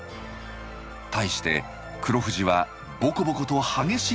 対して黒富士はボコボコと激しい起伏。